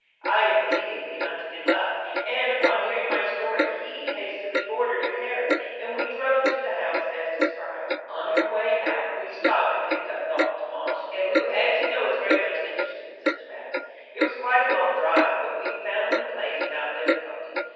I immediately hunted him up, and, upon hearing my story he hastily ordered a carriage and we drove to the house as described. "On our way out we stopped and picked up Dr. Marsh, who as you know is very much interested in such matters. It was quite a long drive, but we found the place without difficulty.